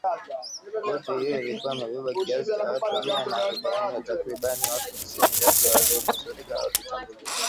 Boti hiyo ilikuwa imebeba kiasi cha watu mia na arobaini na takribani watu tisini kati yao walionusurika walitambuliwa